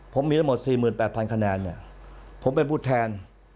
ผมมีทั้งหมด๔๘๐๐คะแนนเนี่ยผมเป็นผู้แทน